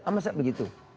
apa siap begitu